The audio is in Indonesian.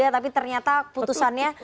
tapi ternyata putusannya